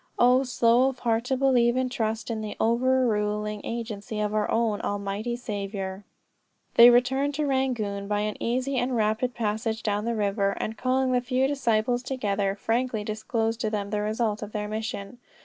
O slow of heart to believe and trust in the over ruling agency of our own Almighty Saviour!" They returned to Rangoon by an easy and rapid passage down the river, and calling the few disciples together frankly disclosed to them the result of their mission.